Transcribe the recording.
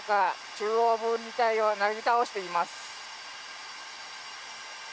中央分離帯をなぎ倒しています。